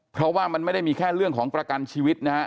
เพราะว่ามันไม่ได้มีแค่เรื่องของประกันชีวิตนะฮะ